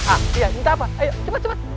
ah dia minta apa ayo cepat cepat